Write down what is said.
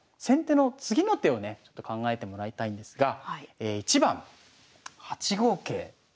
先手の次の手をねちょっと考えてもらいたいんですが１番８五桂。